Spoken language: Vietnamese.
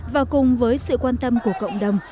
và cùng với sự quan tâm của cộng đồng